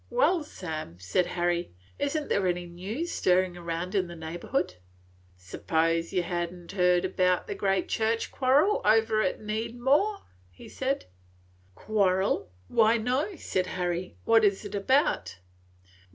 "Well, Sam," said Harry, "is n't there any news stirring round in the neighborhood?" "S'pose ye had n't heerd about the great church quarrel over to Needmore?" he said. "Quarrel? Why, no," said Harry. "What is it about?"